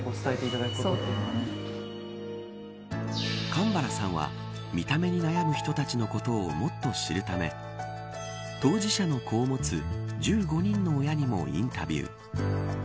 神原さんは見た目に悩む人たちのことをもっと知るため当事者の子を持つ１５人の親にもインタビュー。